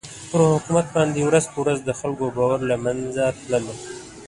پر حکومت باندې ورځ په ورځ د خلکو باور له مېنځه تللو.